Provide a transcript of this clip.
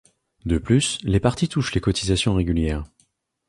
De plus, les partis touchent les cotisations régulières.